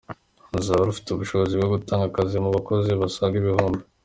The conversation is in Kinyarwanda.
Ruzaba rufite ubushobozi bwo gutanga akazi ku bakozi basaga igihumbi.